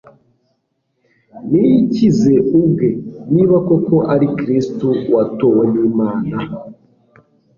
"Niyikize ubwe, niba koko ari Kristo uwatowe n'Imana"!